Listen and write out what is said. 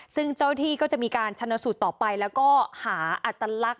ซึ่งเจ้าที่ก็จะมีการชนสูตรต่อไปแล้วก็หาอัตลักษณ